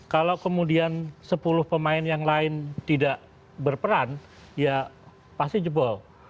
kalau kemudian sepuluh pemain yang lain tidak berperan ya pasti jebol